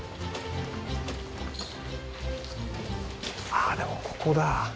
ああでもここだ。